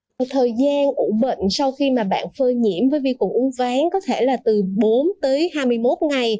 trong thời gian ủ bệnh sau khi bạn phơi nhiễm với vi cung uống ván có thể là từ bốn tới hai mươi một ngày